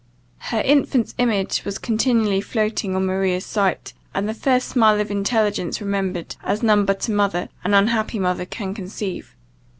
Her infant's image was continually floating on Maria's sight, and the first smile of intelligence remembered, as none but a mother, an unhappy mother, can conceive.